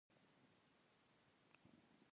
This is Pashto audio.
هر څوک وکولای شي خپل تحلیلونه څرګند کړي